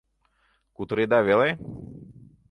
Кутыреда веле?